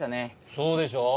そうでしょう？